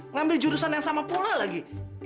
ngambil jurusan yang sama pula lagi